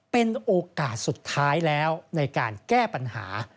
เป็นโอกาสสุดท้ายแล้วในการแก้ปัญหา